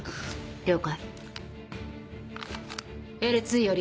了解！